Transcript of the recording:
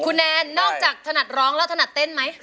คุณแนนนอกจากถนัดร้องแล้วถนัดเต้นไหม